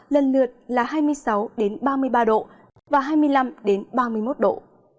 lần lượt là hai mươi sáu ba mươi ba độ và hai mươi năm ba mươi một độ